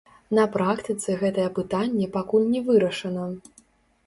На практыцы гэтае пытанне пакуль не вырашана.